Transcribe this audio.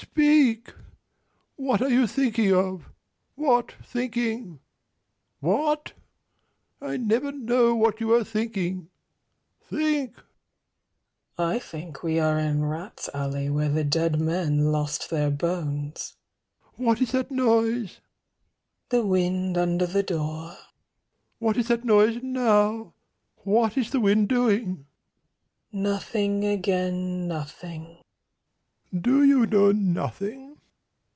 Speak. "What are you thinking of? What thinking? What? "I never know what you are thinking. Think." I think we are in rats' alley Where the dead men lost their bones. "What is that noise?" The wind under the door. "What is that noise now? What is the wind doing?" Nothing again nothing. 120 "Do "You know nothing?